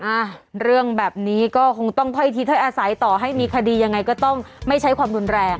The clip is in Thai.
อ่ะเรื่องแบบนี้ก็คงต้องถ้อยทีถ้อยอาศัยต่อให้มีคดียังไงก็ต้องไม่ใช้ความรุนแรง